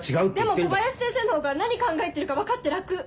でも小林先生の方が何考えてるか分かって楽。